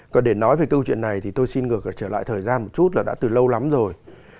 còn để nói về câu chuyện này thì tôi xin ngược trở lại thời gian một chút là đã từ lâu lắm rồi